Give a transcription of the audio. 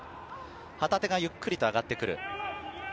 旗手がゆっくり上がってくる。